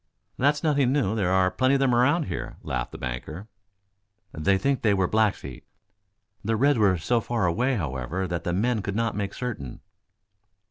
"That's nothing new. There are plenty of them around here," laughed the banker. "They think they were Blackfeet. The reds were so far away, however, that the men could not make certain."